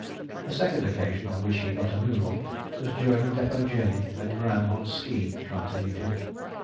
The second occasion on which he got a move on was during the Depôt journey when Gran on ski tried to lead him.